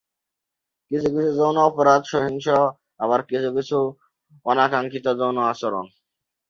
কিছু কিছু যৌন অপরাধ সহিংস আবার কিছু কিছু অনাকাঙ্ক্ষিত যৌন আচরণ।